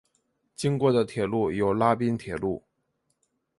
经过的铁路有拉滨铁路。